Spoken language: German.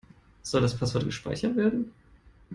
Soll das Passwort gespeichert werden?